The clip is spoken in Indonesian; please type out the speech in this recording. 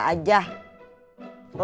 gak usah ikut ngobrol